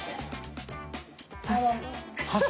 パス？